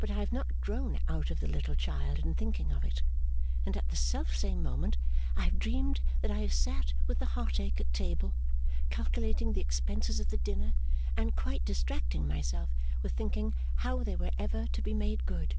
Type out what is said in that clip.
But I have not grown out of the little child in thinking of it; and at the self same moment I have dreamed that I have sat with the heart ache at table, calculating the expenses of the dinner, and quite distracting myself with thinking how they were ever to be made good.